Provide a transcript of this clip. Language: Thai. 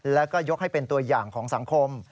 แล้วก็ยกให้เป็นตัวอย่างของสังคม